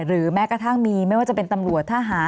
แม้กระทั่งมีไม่ว่าจะเป็นตำรวจทหาร